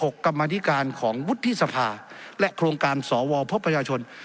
กรรมธิการของวุฒิสภาและโครงการสวพบประชาชน